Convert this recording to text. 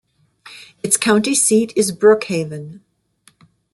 Its county seat is Brookhaven.